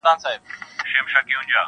• نور به ولټوي ځانته بله چاره -